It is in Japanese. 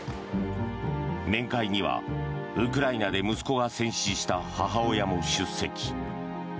面会にはウクライナで息子が戦死した母親も出席。